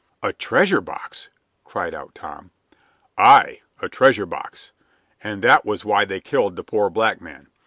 "A treasure box!" cried out Tom. "Aye, a treasure box! And that was why they killed the poor black man.